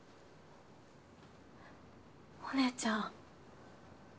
お姉ちゃん。